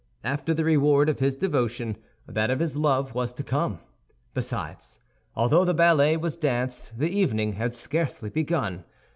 After the reward of his devotion, that of his love was to come. Besides, although the ballet was danced, the evening had scarcely begun.